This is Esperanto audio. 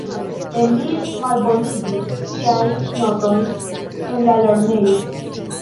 Emil malbonigis siajn notojn en la lernejo.